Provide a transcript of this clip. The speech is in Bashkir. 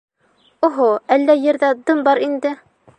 Оһо, әллә ерҙә дым бар инде?